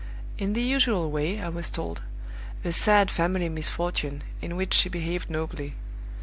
'In the usual way,' I was told. 'A sad family misfortune, in which she behaved nobly.